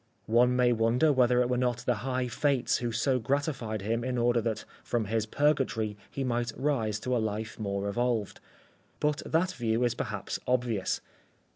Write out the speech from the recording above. One may wonder whether it were not the high fates who so gratified him in order that, from his purgatory, he might rise to a life more evolved. But that view is perhaps obvious.